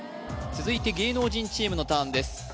続いて芸能人チームのターンです